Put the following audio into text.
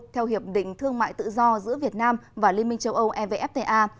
theo hiệp định thương mại tự do giữa việt nam và liên minh châu âu evfta